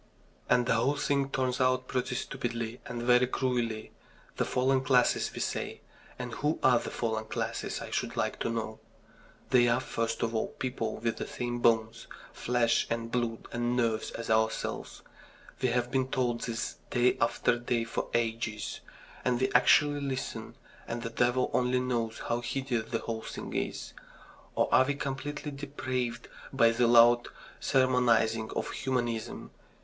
And the whole thing turns out pretty stupidly and very cruelly. The fallen classes, we say. And who are the fallen classes, I should like to know? They are, first of all, people with the same bones, flesh, and blood and nerves as ourselves. We have been told this day after day for ages. And we actually listen and the devil only knows how hideous the whole thing is. Or are we completely depraved by the loud sermonising of humanism?